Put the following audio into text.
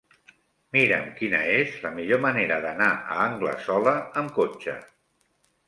Mira'm quina és la millor manera d'anar a Anglesola amb cotxe.